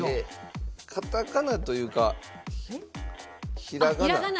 カタカナというかひらがな。